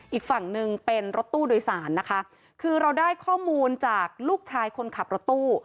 อีกฝั่งหนึ่งเป็นรถตู้โดยสารนะคะคือเราได้ข้อมูลจากลูกชายคนขับรถตู้